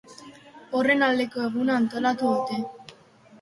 Horren aldeko eguna antolatu dute.